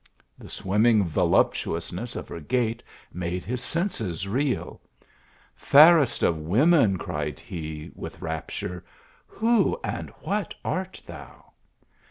The swimming voluptuousness of her gait made his senses reel. "Fairest of women," cried he, with rapture, " who and what art thou